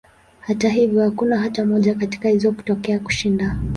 Hata hivyo, hakuna hata moja katika hizo kutokea kushinda.